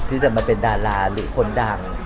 ที่จะมาเป็นดาราหรือคนดัง